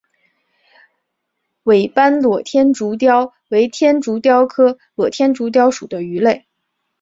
尾斑裸天竺鲷为天竺鲷科裸天竺鲷属的鱼类。